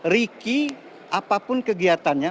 riki apapun kegiatannya